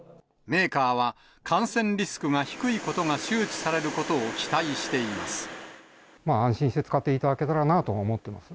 メーカーは、感染リスクが低いことが周知されることを期待しています。